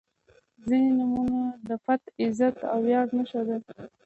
• ځینې نومونه د پت، عزت او ویاړ نښه ده.